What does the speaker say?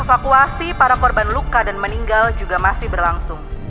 evakuasi para korban luka dan meninggal juga masih berlangsung